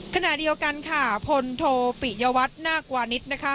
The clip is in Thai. ขณะเดียวกันค่ะพลโทปิยวัฒน์นาควานิสนะคะ